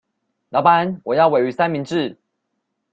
老闆我要鮪魚三明治